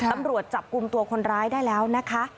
ตำรวจจับกลุ่มตัวคนร้ายได้แล้วนะคะ